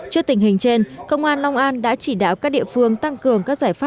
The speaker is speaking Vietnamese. trước tình hình trên công an long an đã chỉ đảo các địa phương tăng cường các giải phóng